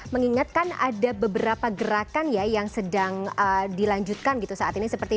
mengingatkan ada beberapa gerakan ya yang sedang dilanjutkan gitu saat ini